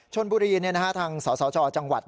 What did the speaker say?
ชนบุรีทางสสจจังหวัด